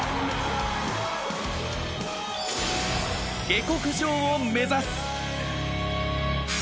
下克上を目指す！